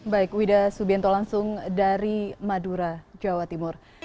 baik wida subianto langsung dari madura jawa timur